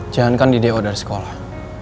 jangan kan di do dari sekolah